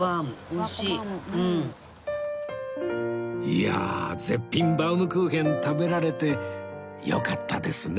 いやあ絶品バウムクーヘン食べられてよかったですね